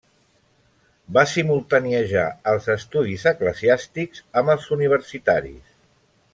Va simultaniejar els estudis eclesiàstics amb els universitaris.